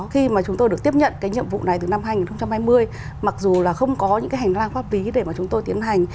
khi mà chúng tôi được tiếp nhận cái nhiệm vụ này từ năm hai nghìn hai mươi mặc dù là không có những cái hành lang pháp lý để mà chúng tôi tiến hành